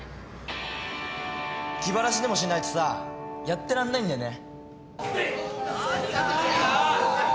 気晴らしでもしないとさやってらんないんだよね。